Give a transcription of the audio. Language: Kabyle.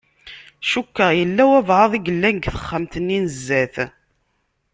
Cukkeɣ yella walebɛaḍ i yellan di texxamt-nni n zdat.